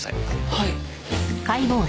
はい。